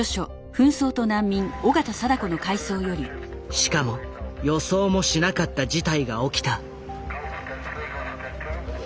しかも予想もしなかった事態が起きた。